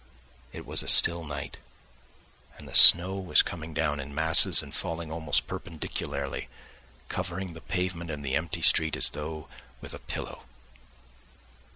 It was a still night and the snow was coming down in masses and falling almost perpendicularly, covering the pavement and the empty street as though with a pillow.